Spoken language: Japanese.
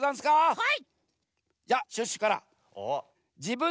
はい。